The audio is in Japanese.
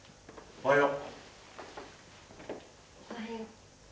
おはよう。